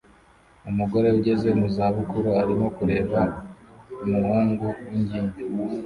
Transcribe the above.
Umugore ugeze mu za bukuru arimo kureba umuhungu w'ingimbi